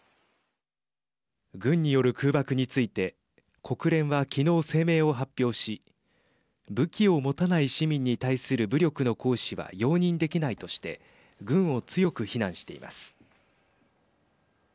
軍による空爆について国連は昨日声明を発表し武器を持たない市民に対する武力の行使は容認できないとして軍を強く非難しています。